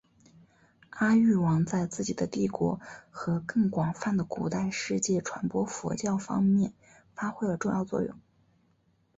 阿育王在自己的帝国和更广泛的古代世界传播佛教方面发挥了重要作用。